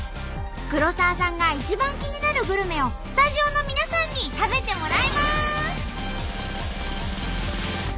黒沢さんが一番気になるグルメをスタジオの皆さんに食べてもらいます！